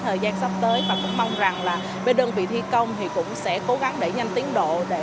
thời gian sắp tới và cũng mong rằng là bên đơn vị thi công thì cũng sẽ cố gắng để nhanh tiến độ để